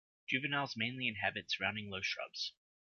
Juveniles mainly inhabit surrounding low shrubs.